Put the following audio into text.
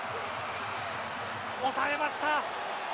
押さえました。